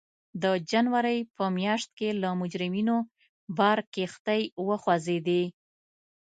د جنورۍ په میاشت کې له مجرمینو بار کښتۍ وخوځېدې.